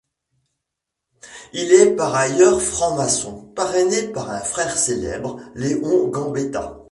Il est par ailleurs franc-maçon, parrainé par un frère célèbre, Léon Gambetta.